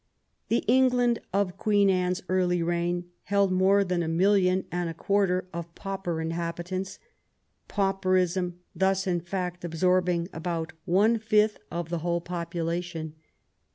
The England of Queen Anne's early reign held more than a million and a quarter of pauper inhabitants, pauperism thus, in fact, absorbing about one fifth of the whole population.